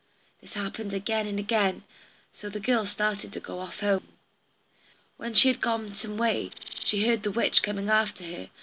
This happened again and again. So the girl started to go off home. When she had gone some way she heard the witch coming after her.